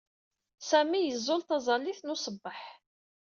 Sami yeẓẓul taẓallit n usebbeḥ.